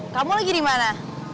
kamu lagi dimana